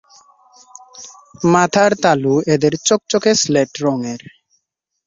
মাথার তালু এদের চকচকে স্লেট রঙের।